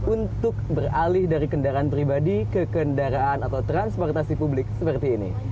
untuk beralih dari kendaraan pribadi ke kendaraan atau transportasi publik seperti ini